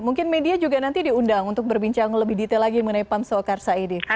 mungkin media juga nanti diundang untuk berbincang lebih detail lagi mengenai pam swakarsa ini